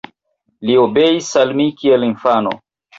Li obeis al mi kiel infano.